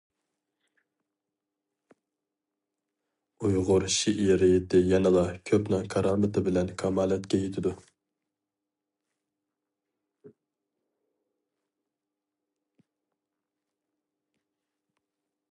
ئۇيغۇر شېئىرىيىتى يەنىلا كۆپنىڭ كارامىتى بىلەن كامالەتكە يېتىدۇ.